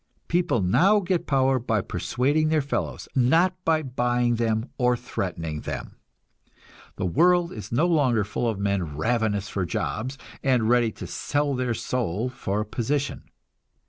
People now get power by persuading their fellows, not by buying them or threatening them. The world is no longer full of men ravenous for jobs, and ready to sell their soul for a "position."